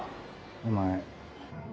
お前